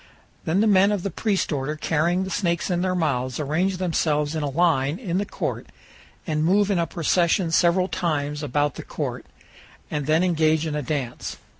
Then the men of the priest order carrying the snakes in their mouths arrange themselves in a line in the court and move in a procession several times about the court, and then engage in a dance.